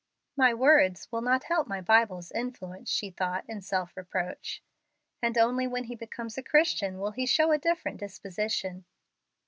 "My words will not help my Bible's influence," she thought in self reproach, "and only when he becomes a Christian will he show a different disposition."